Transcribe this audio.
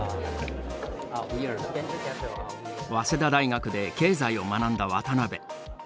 早稲田大学で経済を学んだ渡辺。